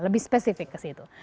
lebih spesifik ke situ